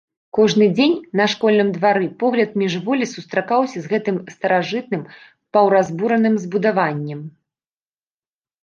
Кожны дзень на школьным двары погляд міжволі сустракаўся з гэтым старажытным, паўразбураным збудаваннем.